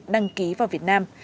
đăng ký vào việt nam